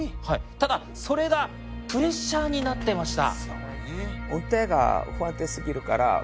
ただそれがプレッシャーになってました。